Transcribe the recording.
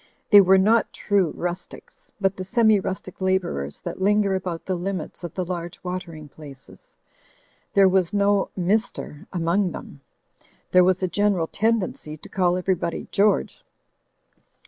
They were not true rustics, but the semi rustic labourers that linger about the limits of the large watering places. There was no "Mr. among them. There was a gen eral tendency to call everybody George.